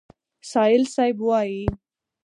سایل صیب وایي: